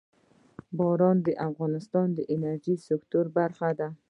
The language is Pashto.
باران د افغانستان د انرژۍ سکتور برخه ده.